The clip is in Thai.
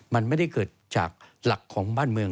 มันไม่ได้เกิดจากหลักของบ้านเมือง